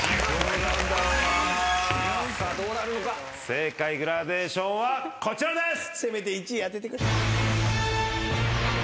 正解グラデーションはこちらです！